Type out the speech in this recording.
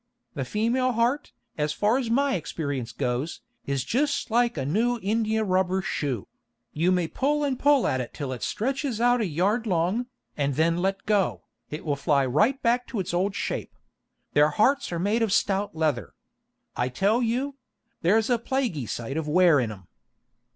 The female heart, as far as my experience goes, is jist like a new india rubber shoe: you may pull and pull at it till it stretches out a yard long, and then let go, and it will fly right back to its old shape. Their hearts are made of stout leather, I tell you; there's a plaguy sight of wear in 'em.